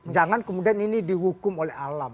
jangan kemudian ini dihukum oleh alam